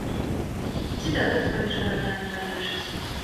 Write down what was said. Ці дарогу паміж гарадамі палепшыць.